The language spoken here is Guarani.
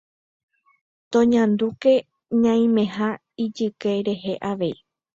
Toñandúke ñaimeha ijyke rehe avei